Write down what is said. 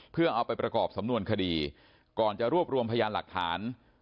เพื่อเอาไปประกอบสำนวนคดีก่อนจะรวบรวมพยานหลักฐาน